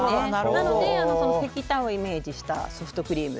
なので石炭をイメージしたソフトクリーム。